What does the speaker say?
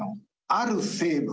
ある成分？